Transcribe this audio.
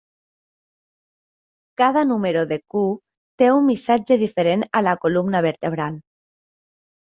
Cada número de "Q" té un missatge diferent a la columna vertebral.